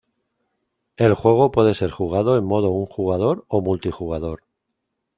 El juego puede ser jugado en modo un jugador o multijugador.